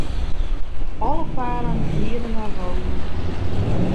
Alle paden liede nei Rome.